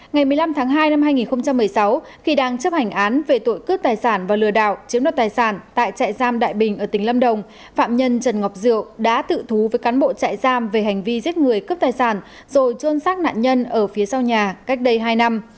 ngày một mươi năm tháng hai năm hai nghìn một mươi sáu khi đang chấp hành án về tội cướp tài sản và lừa đảo chiếm đoạt tài sản tại trại giam đại bình ở tỉnh lâm đồng phạm nhân trần ngọc diệu đã tự thú với cán bộ trại giam về hành vi giết người cướp tài sản rồi trôn sát nạn nhân ở phía sau nhà cách đây hai năm